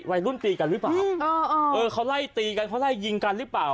วัยรุ่นตีกันหรือเปล่าเออเขาไล่ตีกันเขาไล่ยิงกันหรือเปล่า